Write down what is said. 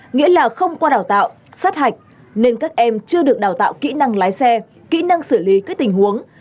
nghĩa là không qua đào tạo sát hạch nên các em chưa được đào tạo kỹ năng lái xe kỹ năng xử lý các tình huống